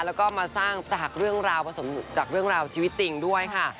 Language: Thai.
แล้วก็มาสร้างจากเรื่องราวชีวิตติ่งด้วยค่ะ